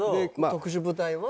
特殊部隊は。